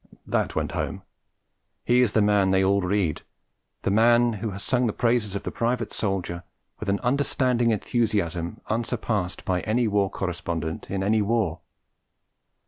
That went home; he is the man they all read, the man who has sung the praises of the private soldier with an understanding enthusiasm unsurpassed by any war correspondent in any war.